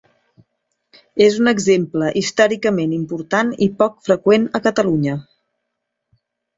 És un exemple històricament important i poc freqüent a Catalunya.